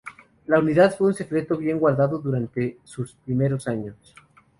La unidad fue un secreto bien guardado durante sus primeros años.